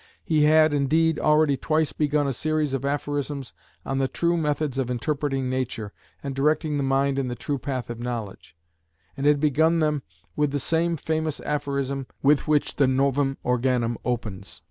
He had, indeed, already twice begun a series of aphorisms on the true methods of interpreting nature, and directing the mind in the true path of knowledge, and had begun them with the same famous aphorism with which the Novum Organum opens.